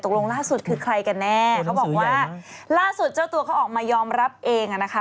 ล่าสุดคือใครกันแน่เขาบอกว่าล่าสุดเจ้าตัวเขาออกมายอมรับเองอ่ะนะคะ